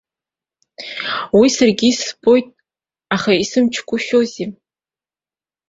Уи саргьы избоит, аха исымчгәышьоузеи!